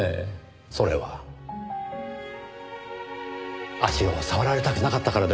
それは足を触られたくなかったからではありませんか？